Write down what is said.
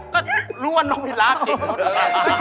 ก็รู้ว่านกผีราพจิกกันก็ได้